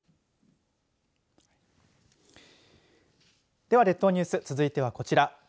では列島ニュース続いてはこちら。